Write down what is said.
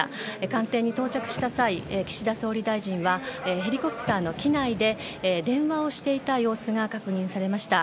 官邸に到着した際岸田総理大臣はヘリコプターの機内で電話をしていた様子が確認されました。